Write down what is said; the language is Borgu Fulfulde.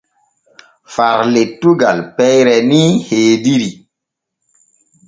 Far lettugal peyre ni heediri.